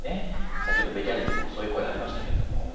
先ほどＶＴＲでもそういう声がありましたが。